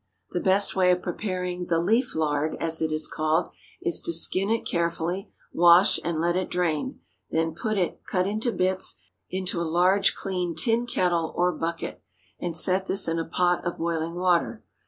The best way of preparing the "leaf lard," as it is called, is to skin it carefully, wash, and let it drain; then put it, cut into bits, into a large, clean tin kettle or bucket, and set this in a pot of boiling water.